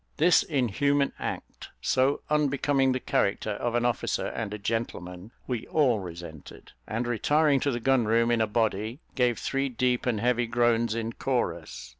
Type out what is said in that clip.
This inhuman act, so unbecoming the character of an officer and a gentleman, we all resented, and retiring to the gun room in a body, gave three deep and heavy groans in chorus.